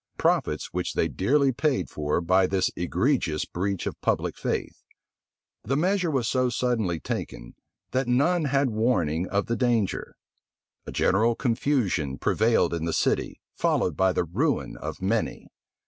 profits which they dearly paid for by this egregious breach of public faith. The measure was so suddenly taken, that none had warning of the danger. A general confusion prevailed in the city, followed by the ruin of many.